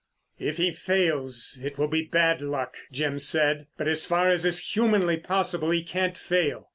"If he fails it will be bad luck," Jim said. "But as far as is humanly possible he can't fail.